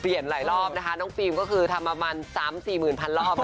เปลี่ยนหลายรอบนะคะน้องฟิมก็คือทำมามัน๓๔หมื่นพันรอบ